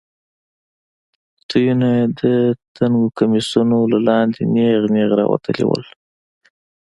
تيونه يې د تنګو کميسونو له لاندې نېغ نېغ راوتلي وو.